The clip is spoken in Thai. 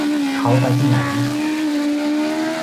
เค้าไปที่ไหน